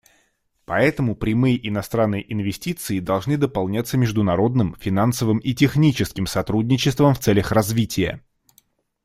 Поэтому прямые иностранные инвестиции должны дополняться международным финансовым и техническим сотрудничеством в целях развития.